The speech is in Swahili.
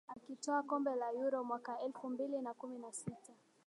akitwaa kombe la Euro mwaka elfu mbili na kumi na sita